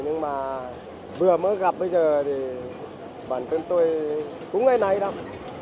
nhưng mà vừa mới gặp bây giờ thì bản tên tôi cũng ngay này đâu